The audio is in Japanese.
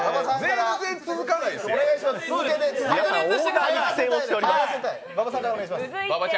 全然続かないやん。